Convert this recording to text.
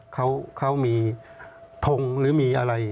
เขามีทงหรือมีอะไร